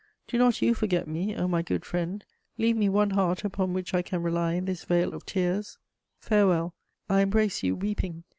Do not you forget me, O my good friend: leave me one heart upon which I can rely in this vale of tears! Farewell, I embrace you weeping.